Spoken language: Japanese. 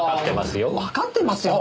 わかってますよ。